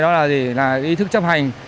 đó là ý thức chấp hành